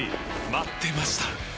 待ってました！